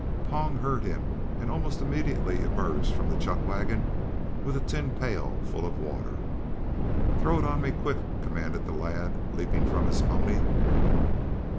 Pong heard him and almost immediately emerged from the chuck wagon with a tin pail full of water. "Throw it on me, quick," commanded the lad, leaping from his pony.